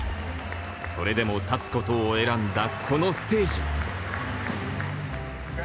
それでも立つことを選んだこのステージ。